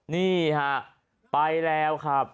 นี่ฮะไปแล้วครับ